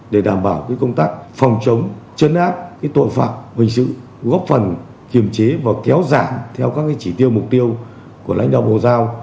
để đảm bảo công tác phòng chống chấn áp tội phạm hình sự góp phần kiềm chế và kéo giảm theo các chỉ tiêu mục tiêu của lãnh đạo bộ giao